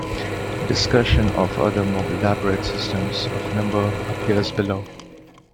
Discussion of other more elaborate systems of number appears below.